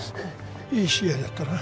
いい試合だったな。